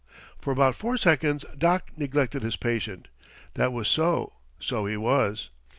For about four seconds Doc neglected his patient. That was so; so he was.